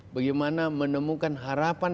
bagaimana menemukan harapan